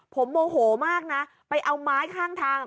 ผมโมโหมากนะไปเอาไม้ข้างทาง